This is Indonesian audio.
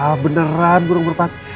wah beneran gurung marpati